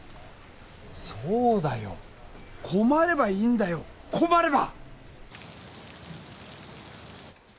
そうだよ困ればいいんだよ困れば！